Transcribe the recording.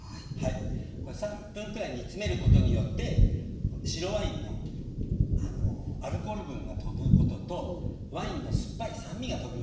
これ３分くらい煮詰めることによって白ワインのアルコール分がとぶこととワインの酸っぱい酸味がとびます。